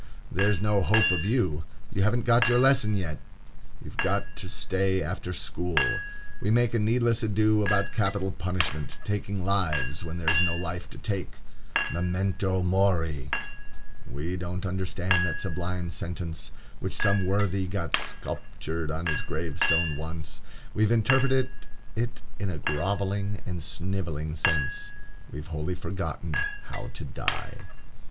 there's no hope of you. You haven't got your lesson yet. You've got to stay after school. We make a needless ado about capital punishment,—taking lives, when there is no life to take. Memento mori! We don't understand that sublime sentence which some worthy got sculptured on his gravestone once. We've interpreted it in a grovelling and snivelling sense; we've wholly forgotten how to die.